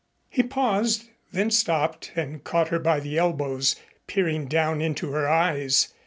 He paused, then stopped and caught her by the elbows, peering down into her eyes.